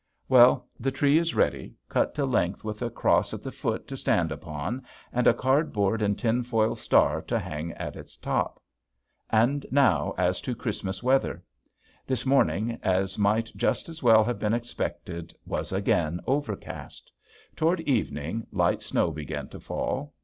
Well, the tree is ready, cut to length with a cross at the foot to stand upon, and a cardboard and tin foil star to hang at its top. And now as to Christmas weather. This morning, as might just as well have been expected, was again overcast. Toward evening light snow began to fall.